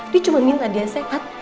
dia cuma minta dia sehat